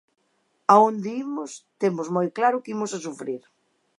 A onde imos temos moi claro que imos a sufrir.